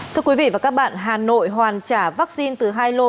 thưa quý vị và các bạn hà nội hoàn trả vaccine từ hai lô